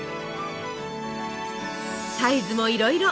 サイズもいろいろ。